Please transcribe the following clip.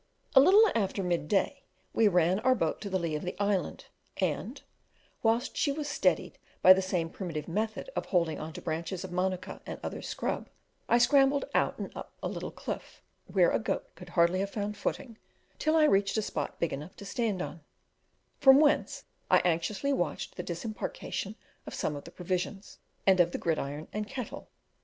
A little after mid day we ran our boat to the lee of the island, and: whilst she was steadied by the same primitive method of holding on to branches of manuka and other scrub, I scrambled out and up a little cliff, where a goat could hardly have found footing, till I reached a spot big enough to stand on, from whence I anxiously watched the disembarkation of some of the provisions, and of the gridiron and kettle.